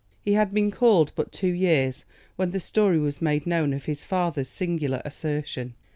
He had been called but two years when the story was made known of his father's singular assertion.